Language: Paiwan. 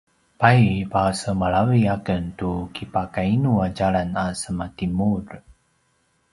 pay pasemalavi aken tu kipakainu a djalan a semaTimur?